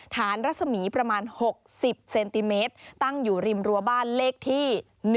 รัศมีประมาณ๖๐เซนติเมตรตั้งอยู่ริมรัวบ้านเลขที่๑